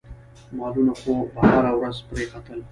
مالونه خو به هره ورځ پرې ختل.